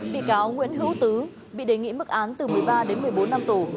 bị cáo nguyễn hữu tứ bị đề nghị mức án từ một mươi ba đến một mươi bốn năm tù